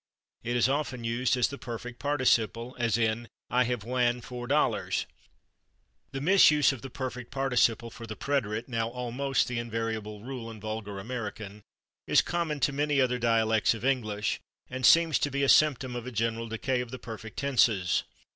It is often used as the perfect participle, as in "I have /wan/ $4." The misuse of the perfect participle for the preterite, now almost the invariable rule in vulgar American, is common to many other dialects of English, and seems to be a symptom of a general decay of the perfect tenses.